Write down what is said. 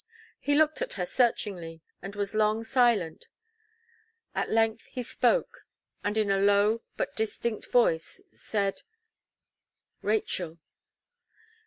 He looked at her searchingly and was long silent: at length he spoke, and in a low but distinct voice, said: "Rachel."